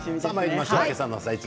今朝の「あさイチ」